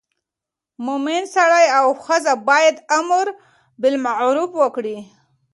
مومن سړی او ښځه باید امر بالمعروف وکړي.